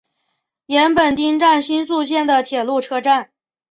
岩本町站新宿线的铁路车站。